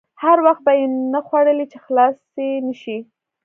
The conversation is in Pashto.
هر وخت به یې نه خوړلې چې خلاصې نه شي.